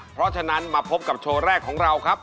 เพราะฉะนั้นมาพบกับโชว์แรกของเราครับ